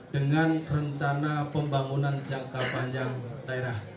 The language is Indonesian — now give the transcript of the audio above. dengan rencana pembangunan jangka panjang daerah